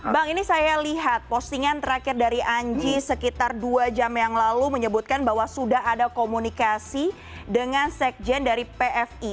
bang ini saya lihat postingan terakhir dari anji sekitar dua jam yang lalu menyebutkan bahwa sudah ada komunikasi dengan sekjen dari pfi